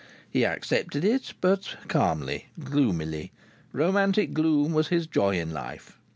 He accepted it, but calmly, gloomily. Romantic gloom was his joy in life.